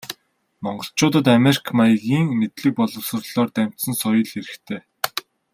Монголчуудад америк маягийн мэдлэг боловсролоор дамжсан соёл хэрэгтэй.